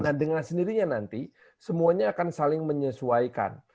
nah dengan sendirinya nanti semuanya akan saling menyesuaikan